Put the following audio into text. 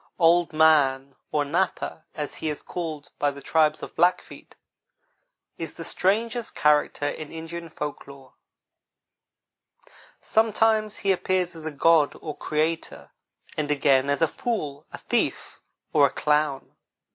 Old man, or Napa, as he is called by the tribes of Blackfeet, is the strangest character in Indian folk lore. Sometimes he appears as a god or creator, and again as a fool, a thief, or a clown.